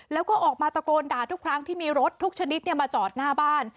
แล้วก็ออกมาตะโกนด่าทุกครั้งที่มีรถทุกชนิดมาจอดหน้าบ้าน